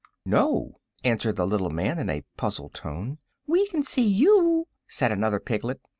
"] "No," answered the little man, in a puzzled tone. "We can see you," said another of the piglets.